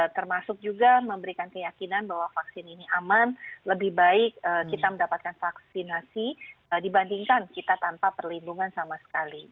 termasuk juga memberikan keyakinan bahwa vaksin ini aman lebih baik kita mendapatkan vaksinasi dibandingkan kita tanpa perlindungan sama sekali